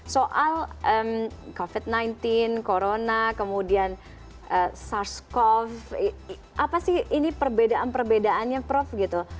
soal covid sembilan belas corona kemudian sars cov apa sih ini perbedaan perbedaannya prof gitu